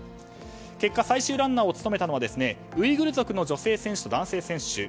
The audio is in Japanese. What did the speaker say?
結果最終ランナーを務めたのはウイグル族の女性選手と男性選手。